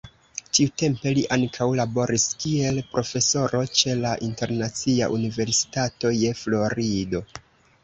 Tiutempe li ankaŭ laboris kiel profesoro ĉe la Internacia Universitato je Florido.